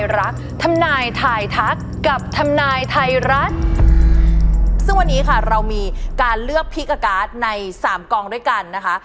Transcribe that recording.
ซึ่งวันนี้ค่ะเรามีการเลือกพิกกับการ์ดในสามกองด้วยกันนะคะ